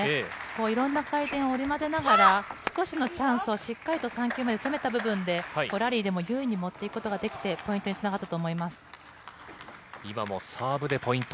いろんな回転を織り交ぜながら、少しのチャンスをしっかりと３球目で攻めた部分で、ラリーでも優位に持っていくことができて、ポイントにつながった今もサーブでポイント。